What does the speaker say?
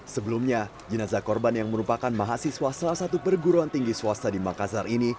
sebelumnya jenazah korban yang merupakan mahasiswa salah satu perguruan tinggi swasta di makassar ini